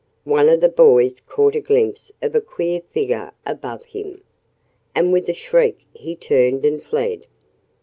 One of the boys caught a glimpse of a queer figure above him. And with a shriek he turned and fled.